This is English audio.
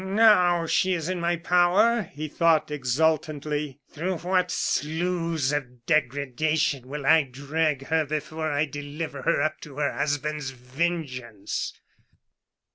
"Now, she is in my power!" he thought exultantly. "Through what sloughs of degradation will I drag her before I deliver her up to her husband's vengeance!"